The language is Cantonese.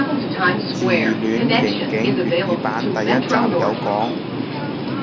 自戀刑警粵語版第一集有講